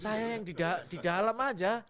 saya yang di dalam aja